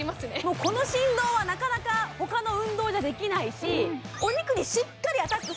この振動はなかなかほかの運動ではないできないし。